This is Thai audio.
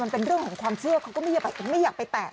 มันเป็นเรื่องของความเชื่อเขาก็ไม่อยากไปแตะ